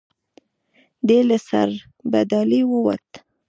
دی له سربدالۍ ووت.